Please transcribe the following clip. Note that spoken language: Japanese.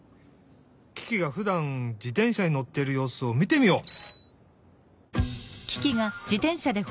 キキがふだん自転車にのってるようすをみてみよう！